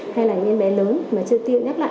hay là những bé lớn mà chưa tiêm nhắc lại